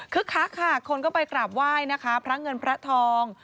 คักค่ะคนก็ไปกราบไหว้นะคะพระเงินพระทอง